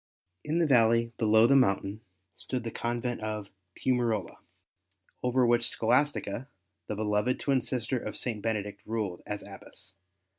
In the valley below the mountain stood the convent of Piumarola, over which Scholastica, the beloved twin sister of St. Benedict, ruled as Abbess.